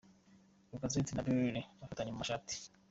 Lacazette na Bellerin bafatanye mu mashati.